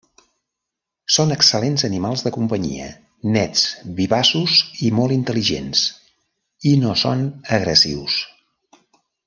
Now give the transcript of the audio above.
Són excel·lents animals de companyia, nets, vivaços i molt intel·ligents, i no són agressius.